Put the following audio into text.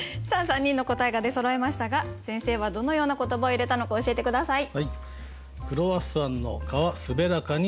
３人の答えが出そろいましたが先生はどのような言葉を入れたのか教えて下さい。